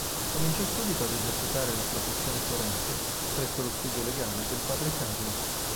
Cominciò subito ad esercitare la professione forense presso lo studio legale del padre Carlo.